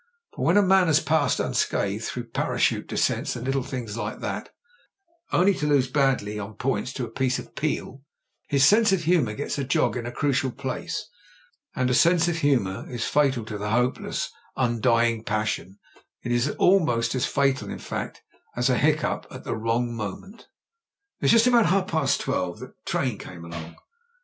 For when a man has passed unscathed through parachute descents and little things like that, only to lose badly on points to a piece of peel, his sense of humour gets a jog in a crucial place. And a sense of humour is fatal to the hopeless, undying passion. It is almost as fatal, in fact, as a hiccough at the wrong moment. "It was just about half past twelve that the train came along.